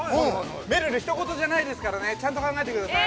めるる、人ごとじゃないですから、ちゃんと考えてくださいね。